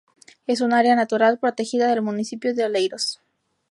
Es un área natural protegida del municipio de Oleiros.